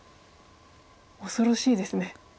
恐ろしいですね。